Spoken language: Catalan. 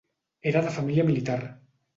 Era de família militar.